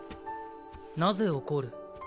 なぜ怒る？